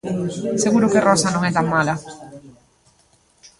Seguro que Rosa non é tan mala.